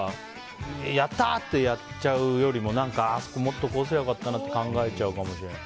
やったー！ってやっちゃうよりもあそこ、もっとこうすれば良かったかなって考えちゃうかもしれない。